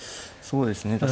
そうですね